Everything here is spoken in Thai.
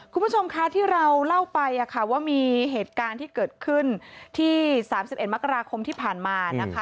คุณผู้ชมคะที่เราเล่าไปว่ามีเหตุการณ์ที่เกิดขึ้นที่๓๑มกราคมที่ผ่านมานะคะ